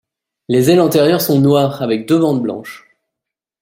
Les ailes antérieures sont noires avec deux bandes blanches.